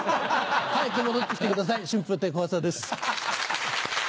早く戻って来てください春風亭小朝です。